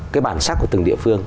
cái bản sắc của từng địa phương